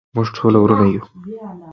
موږ ټول ورونه یو.